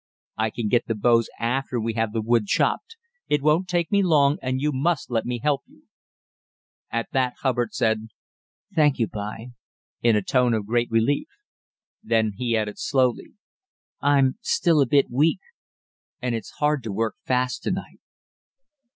"I can get the boughs after we have the wood chopped; it won't take me long and you must let me help you." At that Hubbard said, "Thank you, b'y," in a tone of great relief. Then he added slowly, "I'm still a bit weak, and it's hard to work fast to night."